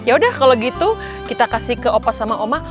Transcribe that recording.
ya udah kalau gitu kita kasih ke opas sama oma